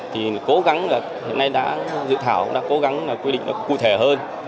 thì cố gắng hiện nay đã dự thảo đã cố gắng quy định nó cụ thể hơn